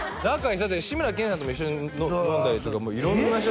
だって志村けんさんとも一緒に飲んだりだからもう色んな人